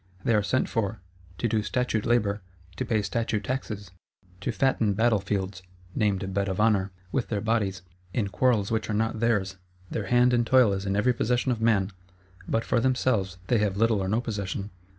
They are sent for, to do statute labour, to pay statute taxes; to fatten battle fields (named "Bed of honour") with their bodies, in quarrels which are not theirs; their hand and toil is in every possession of man; but for themselves they have little or no possession.